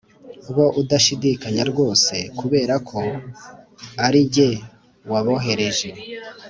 bo udashidikanya rwose kubera ko ari jye wabohereje